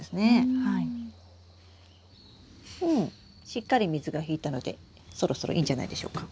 しっかり水が引いたのでそろそろいいんじゃないでしょうか。